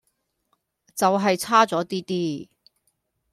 就係差左啲啲